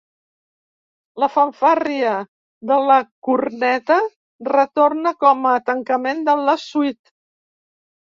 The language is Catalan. La fanfàrria de la corneta retorna com a tancament de la suite.